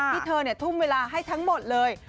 ที่เธอทุ่มเวลาให้ทั้งหมดเลย